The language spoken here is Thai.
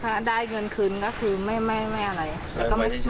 ถ้าได้เงินคืนก็คือไม่อะไรแต่ก็ไม่สั่งแล้ว